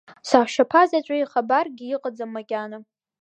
Саҳәшьаԥа заҵәы ихабаргьы ыҟаӡам макьана.